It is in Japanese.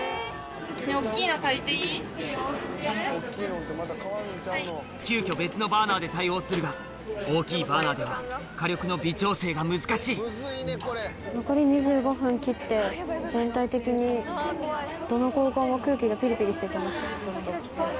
・いいよ・急きょ別のバーナーで対応するが大きいバーナーでは火力の微調整が難しい残り２５分切って全体的にどの高校も空気がピリピリして来ました。